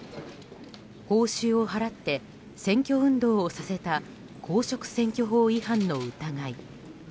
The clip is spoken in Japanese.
報酬を払って選挙運動をさせた公職選挙法違反の疑い。